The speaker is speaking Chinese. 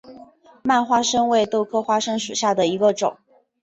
蔓花生为豆科花生属下的一个种。